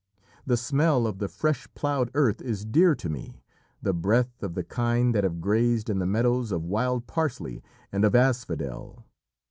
The smell of the fresh ploughed earth is dear to me, the breath of the kine that have grazed in the meadows of wild parsley and of asphodel.